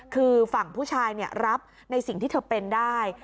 คือฝั่งผู้ชายรับในสิ่งที่เธอเป็นได้